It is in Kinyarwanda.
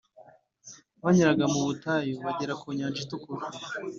banyuraga mu butayu bagera ku Nyanja Itukura